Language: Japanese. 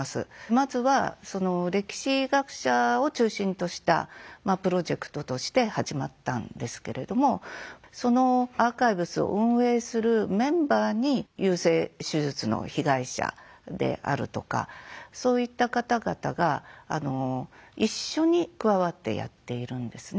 まずは歴史学者を中心としたプロジェクトとして始まったんですけれどもそのアーカイブスを運営するメンバーに優生手術の被害者であるとかそういった方々が一緒に加わってやっているんですね。